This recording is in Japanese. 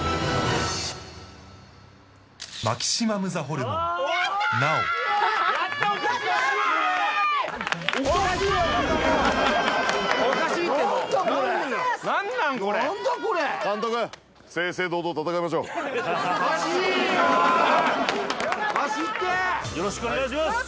よろしくお願いします